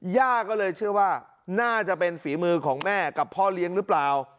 ย่าก็เลยเชื่อว่าน่าจะเป็นฝีมือของแม่กับพ่อเลี้ยงหรือเปล่า